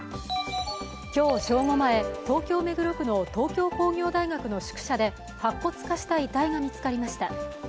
今日正午前、東京・目黒区の東京工業大学の宿舎で白骨化した遺体が見つかりました。